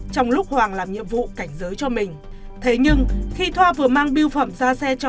trong lúc hoàng làm nhiệm vụ cảnh giới cho mình thế nhưng khi thoa vừa mang biêu phẩm ra xe cho